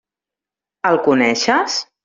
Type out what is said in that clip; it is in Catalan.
El coneixes?